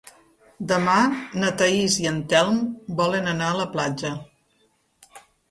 Demà na Thaís i en Telm volen anar a la platja.